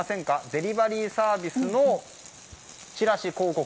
デリバリーサービスのチラシ、広告。